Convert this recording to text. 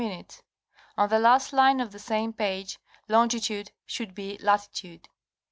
On the last line of the same page ''longi tude" should be ''latitude."